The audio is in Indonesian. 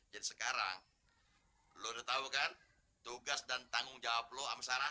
jadi sekarang lo udah tahu kan tugas dan tanggung jawab lo sama sarah